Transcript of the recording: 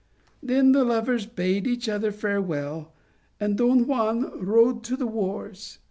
" Then the lovers bade each other farewell, and Don Juan rode to the wars.